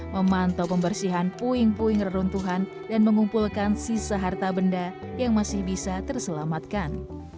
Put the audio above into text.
memantau pembersihan puing puing reruntuhan dan mengumpulkan sisa harta benda yang masih bisa terselamatkan